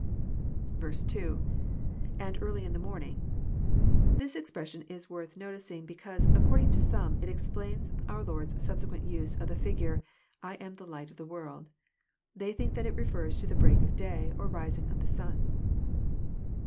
2.— [i4n(f e^rly in the morning,'] This expression Is worth notic ing, because, according to some, it explains our Lord's subse quent use of the figure —I am the light of the world." They think that It refers to the break of day, or rising of the sun.